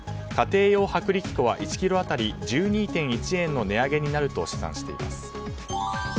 家庭用薄力粉は１ｋｇ当たり１２．１円の値上げになると試算しています。